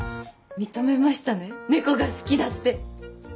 認めましたねネコが好きだって。